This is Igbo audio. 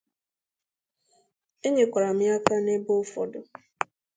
Enyekwara m aka n'ebe ụfọdụ